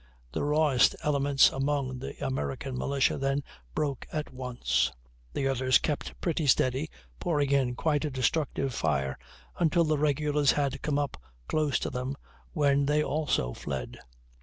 The rawest regiments among the American militia then broke at once; the others kept pretty steady, pouring in quite a destructive fire, until the regulars had come up close to them, when they also fled.